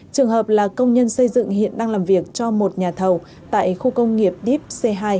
trường hợp là công nhân xây dựng hiện đang làm việc cho một nhà thầu tại khu công nghiệp dep c hai